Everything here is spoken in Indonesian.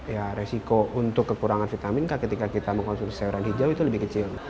ya resiko untuk kekurangan vitamin k ketika kita mengkonsumsi sayuran hijau itu lebih kecil